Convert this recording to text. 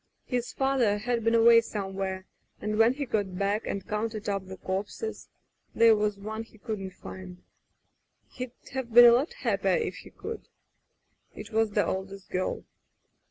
His father had been away somewhere, and when he got back and counted up the corpses — ^there was one he couldn't find. He'd have been a lot happier if he could. It was the oldest girl